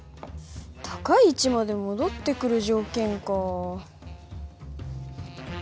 高い位置まで戻ってくる条件か。